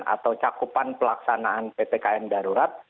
atau cakupan pelaksanaan ppkm darurat